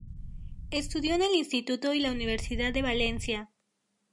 Estudió en el Instituto y la Universidad de Valencia.